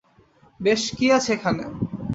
বেশ, কি আছে এখানে?